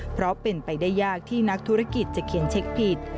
เพราะเป็นไปได้ยากที่นักธุรกิจจะเขียนเช็คผิด